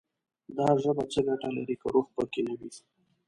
دا ژبه څه ګټه لري، که روح پکې نه وي»